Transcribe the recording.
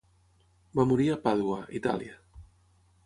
Va morir a Pàdua, Itália.